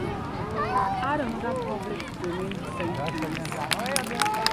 Add another public domain sentence.